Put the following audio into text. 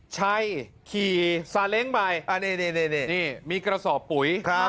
ชัยขี่ซาเล้งไปนี่มีกระสอบปุ๋ย